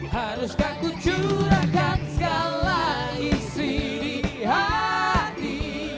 haruskah ku curahkan segala isi di hati